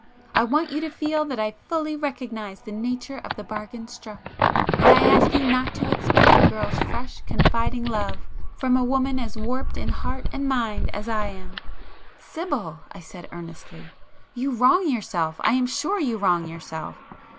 I want you to feel that I fully recognize the nature of the bargain struck; and I ask you not to expect a girl's fresh, confiding love from a woman as warped in heart and mind as I am!" "Sibyl,"—I said earnestly—"You wrong yourself; I am sure you wrong yourself!